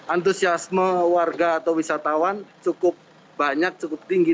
antusiasme warga atau wisatawan cukup banyak cukup tinggi